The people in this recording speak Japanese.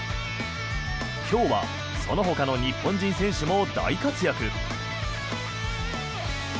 今日はそのほかの日本人選手も大活躍。